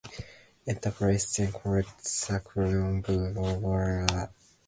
"Enterprise" then collects the crewmen before warping away from the secretive Romulans.